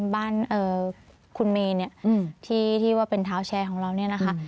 บ้านคุณเมย์เนี่ยที่ว่าเป็นเท้าแชร์ของเราเนี่ยนะคะ